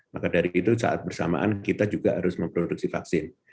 maka dari itu saat bersamaan kita juga harus memproduksi vaksin